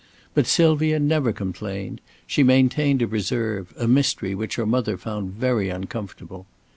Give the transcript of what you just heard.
But Sylvia never complained; she maintained a reserve, a mystery which her mother found very uncomfortable.